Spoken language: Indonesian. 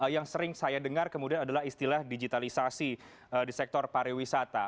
yang sering saya dengar kemudian adalah istilah digitalisasi di sektor pariwisata